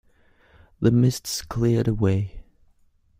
The mists cleared away.